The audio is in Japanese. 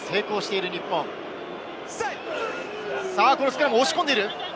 このスクラム、押し込んでいる。